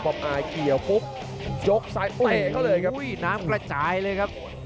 พออายเกี่ยวปุ๊บยกซ้ายเตะเขาเลยครับน้ำกระจายเลยครับ